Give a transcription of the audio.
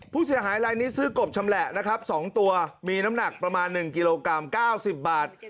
ผู้เสียหายลายนี้ซื้อกบชำแหละนะครับ๒ตัวมีน้ำหนักประมาณ๑กิโลกรัม๙๐บาท